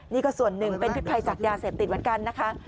นี่ก็ส่วนหนึ่งเป็นพิษภัยจากยาเสพติดเหมือนกันนะคะ